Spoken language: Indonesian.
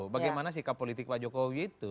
bagaimana sikap politik pak jokowi itu